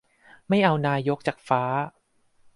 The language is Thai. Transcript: ไม่เอานายกจากฟ้า